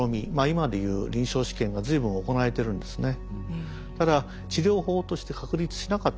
今で言う臨床試験が随分行われてるんですね。